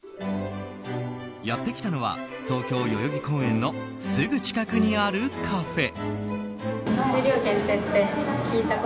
やってきたのは東京・代々木公園のすぐ近くにあるカフェ。